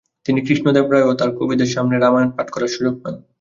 তিনি কৃষ্ণদেবরায় ও তাঁর কবিদের সামনে রামায়ণ পাঠ করার সুযোগ পান।